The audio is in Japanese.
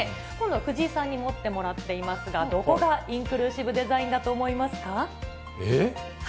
藤井さんに持ってもらっていますが、どこがインクルーシブデザイえっ？